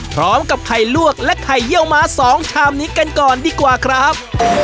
พร้อมกับไข่ลวกและไข่เยี่ยวม้า๒ชามนี้กันก่อนดีกว่าครับ